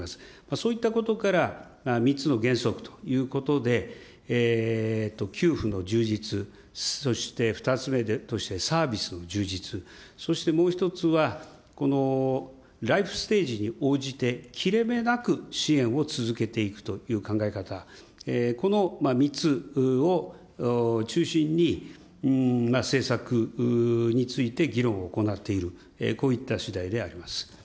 そういったことから、３つの原則ということで給付の充実、そして２つ目としてサービスの充実、そしてもう一つはライフステージに応じて切れ目なく支援を続けていくという考え方、この３つを中心に、政策について議論を行っている、こういったしだいであります。